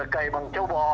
cầy bằng châu bò